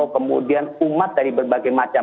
kemudian umat dari berbagai macam